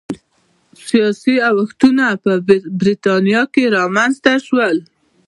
سیاسي اوښتونونه په برېټانیا کې رامنځته شول